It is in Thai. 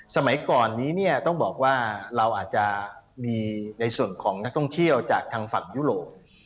สมัยก่อนนี้เนี่ยต้องบอกว่าเราอาจจะมีในส่วนของนักท่องเที่ยวจากทางฝั่งยุโรป